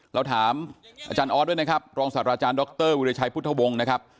เราถามอาจารย์ออสด้วยนะครับรองศาสตราจารย์ดรวิรชัยพุทธวงศ์นะครับ